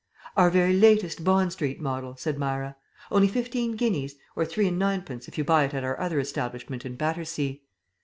"Our very latest Bond Street model," said Myra. "Only fifteen guineas or three and ninepence if you buy it at our other establishment in Battersea."